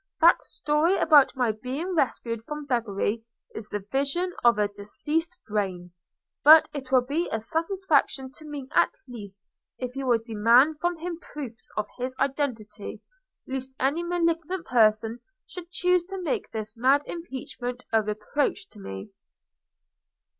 That story about my being rescued from beggary is the vision of a diseased brain. But it will be a satisfaction to me at least if you will demand from him proofs of his identity, lest any malignant person should choose to make this mad impeachment a reproach to me."